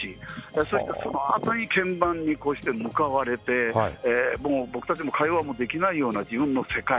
そしてそのあとに鍵盤にこうして向かわれて、僕たちも会話もできないような自分の世界。